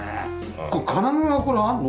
これ金具がこれあるの？